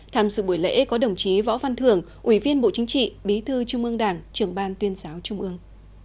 tham dự buổi lễ có đồng chí võ văn thưởng ủy viên bộ chính trị bí thư trung ương đảng trưởng ban tuyên giáo trung ương